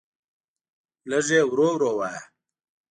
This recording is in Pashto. لږ یی ورو ورو وایه